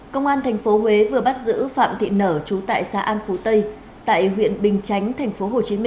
công an tp huế vừa bắt giữ phạm thị nở trú tại xã an phú tây tại huyện bình chánh tp hcm